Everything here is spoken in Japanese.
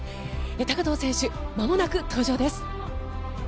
高藤選手、まもなく登場です。